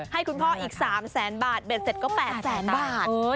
ให้คุณพ่ออีก๓แสนบาทเบ็ดเสร็จก็๘แสนบาท